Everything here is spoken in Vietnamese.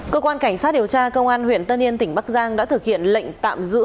cơ quan cảnh sát điều tra công an huyện tân yên tỉnh bắc giang đã thực hiện lệnh tạm giữ